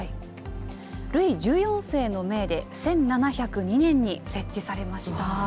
ルイ１４世の命で１７０２年に設置されました。